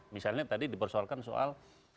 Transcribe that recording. misalnya tadi dipersoalkan soal